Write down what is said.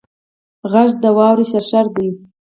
غږ د واورې شرشر دی